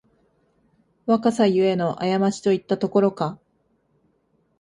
若さゆえのあやまちといったところか